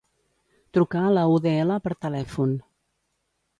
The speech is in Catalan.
Trucar a la UdL per telèfon.